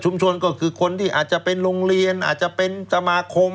ก็คือคนที่อาจจะเป็นโรงเรียนอาจจะเป็นสมาคม